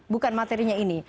bukan materinya ini